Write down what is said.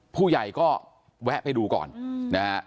ผู้ใหญ่ก็แวะไปดูก่อนนะฮะ